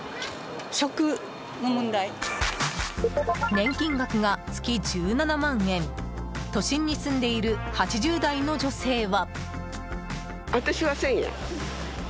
年金額が月１７万円都心に住んでいる８０代の女性は。